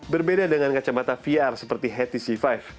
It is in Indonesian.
berbeda dengan kacamata vr seperti htc lima